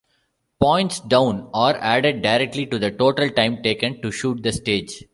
Points down are added directly to the total time taken to shoot the stage.